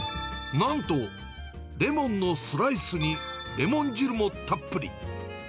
なんと、レモンのスライスにレモン汁もたっぷり。